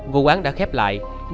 vụ án đã khép lại